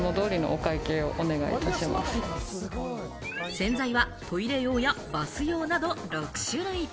洗剤はトイレ用やバス用など６種類。